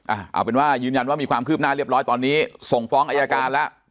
เอาเป็นว่ายืนยันว่ามีความคืบหน้าเรียบร้อยตอนนี้ส่งฟ้องอายการแล้ว